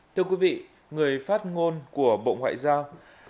thưa quý vị người phát ngôn của bộ ngoại giao